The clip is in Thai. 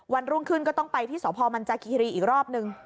วันรุ่งคืนก็ต้องไปที่สมันจากิรีย์อีกรอบนึง